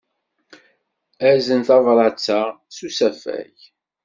Azen tabṛat-a s usafag.